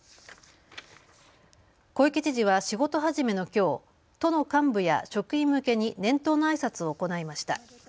小池知事は仕事始めのきょう都の幹部や職員向けに年頭のあいさつを行いました。